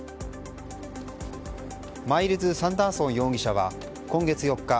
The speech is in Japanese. マイルズ・サンダーソン容疑者は今月４日